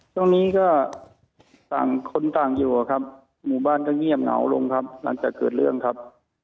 ช่วงนี้ก็ต่างคนต่างอยู่ครับหมู่บ้านก็เงียบเหงาลงครับหลังจากเกิดเรื่องครับ